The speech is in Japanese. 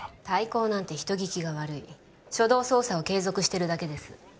対抗なんて人聞きが悪い初動捜査を継続してるだけです